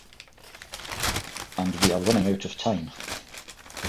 And we are running out of time.